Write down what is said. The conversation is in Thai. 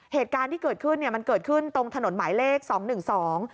เหตุการณ์ที่เกิดขึ้นเนี้ยมันเกิดขึ้นตรงถนนหมายเลขสองหนึ่งสอง